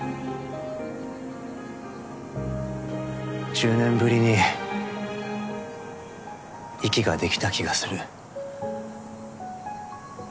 １０年ぶりに息ができた気がする。